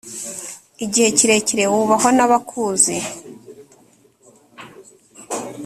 igihe kirekire wubahwa n’abakuze